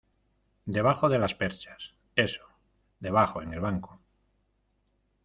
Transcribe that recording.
debajo de las perchas. eso, debajo en el banco .